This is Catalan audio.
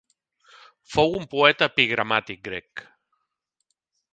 Fou un poeta epigramàtic grec.